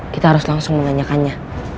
kita harus langsung menanyakannya